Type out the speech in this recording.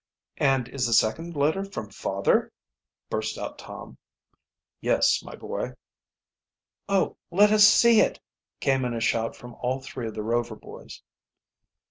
"And is the second letter from father?" burst out Tom. "Yes, my boy." "Oh, let us see it!" came in a shout from all three of the Rover boys.